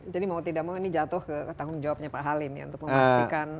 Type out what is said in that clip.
jadi mau tidak mau ini jatuh ke tanggung jawabnya pak halim ya untuk memastikan